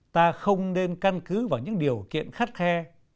ta không nên căn cứ vào những điều kiện khắt khe